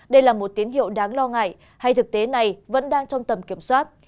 đây là một tín hiệu đáng lo ngại hay thực tế này vẫn đang trong tầm kiểm soát